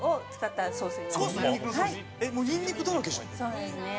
そうですね。